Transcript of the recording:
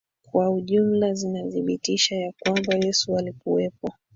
Kwa ujumla zinathibitisha ya kwamba Yesu alikuwepo